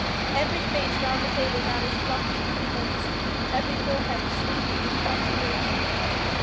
Every face round the table now was flushed and moist; every forehead streaming with perspiration.